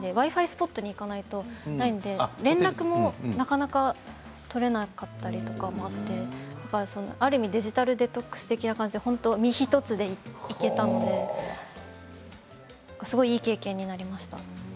スポットに行かないとないので連絡もなかなか取れなかったりとかある意味デジタルデトックスで身一つで行けたのでいい経験になりました。